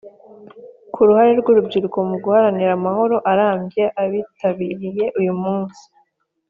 Ku ruhare rw urubyiruko mu guharanira amahoro arambye abitabiriye uyu munsi